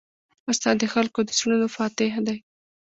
استاد د خلکو د زړونو فاتح دی.